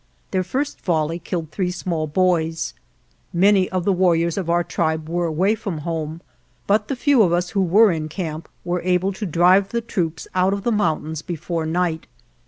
Their first volley killed three small boys. Many of the war riors of our tribe were away from home, but the few of us who were in camp were able to drive the troops out of the mountains be fore night.